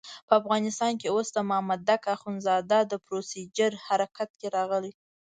په افغانستان کې اوس د مامدک اخندزاده پروسیجر حرکت کې راغلی.